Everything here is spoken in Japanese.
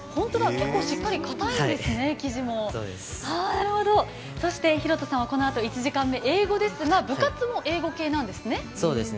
結構しっかり生地もかたいんですね、そして寛飛さんはこのあと、１時間目、英語ですが、部活も英語系なんですね？